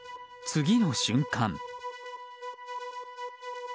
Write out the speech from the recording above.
次の瞬間。